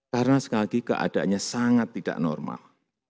karena sekali lagi keadanya sangat tidak normal